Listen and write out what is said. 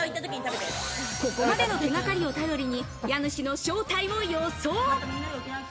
ここまでの手掛かりを頼りに、家主の正体を予想。